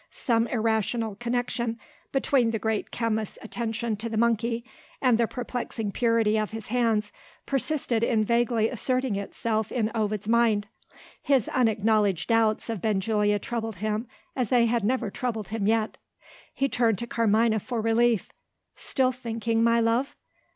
Some irrational connection between the great chemist's attention to the monkey, and the perplexing purity of his hands, persisted in vaguely asserting itself in Ovid's mind. His unacknowledged doubts of Benjulia troubled him as they had never troubled him yet. He turned to Carmina for relief. "Still thinking, my love?"